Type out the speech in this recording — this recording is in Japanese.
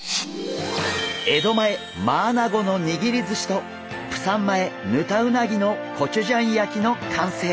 江戸前マアナゴの握りずしとプサン前ヌタウナギのコチュジャン焼きの完成！